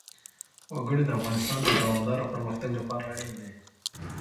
وګړي د افغانستان د دوامداره پرمختګ لپاره اړین دي.